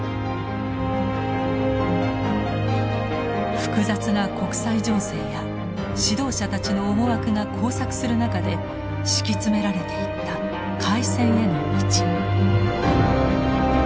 複雑な国際情勢や指導者たちの思惑が交錯する中で敷き詰められていった開戦への道。